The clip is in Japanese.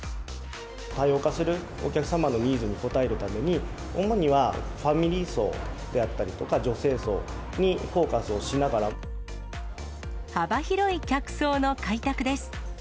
多様化するお客様のニーズに応えるために、主にはファミリー層であったりとか、女性層にフォーカスをしなが幅広い客層の開拓です。